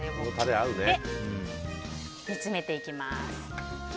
煮詰めていきます。